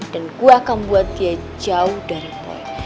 dan gue akan buat dia jauh dari boy